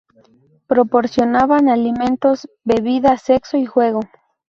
Proporcionaban alimentos, bebida, sexo y juego.